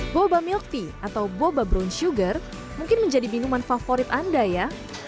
boba milk tea atau boba brown sugar mungkin menjadi minuman favorit anda ya